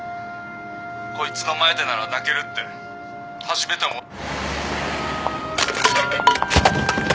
こいつの前でなら泣けるって初めて思っ。